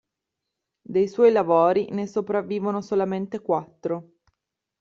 Dei suoi lavori ne sopravvivono solamente quattro.